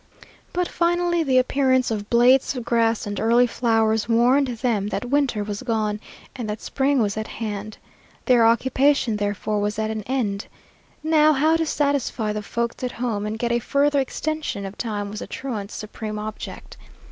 But finally the appearance of blades of grass and early flowers warned them that winter was gone and that spring was at hand. Their occupation, therefore, was at an end. Now how to satisfy the folks at home and get a further extension of time was the truant's supreme object.